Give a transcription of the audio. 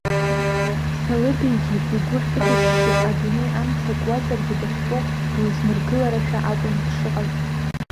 Салыбеигьы игәы хьыдышьшьы, адунеи амца акуазаргьы дахьтәоу дузмыргыларашәа акәын дшыҟаз.